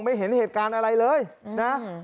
เห็นเหตุการณ์อะไรเลยนะ